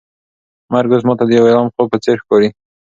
مرګ اوس ماته د یو ارام خوب په څېر ښکاري.